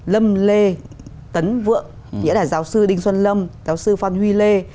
lâm lê tấn vượng nghĩa là giáo sư đinh xuân lâm giáo sư phan huy lê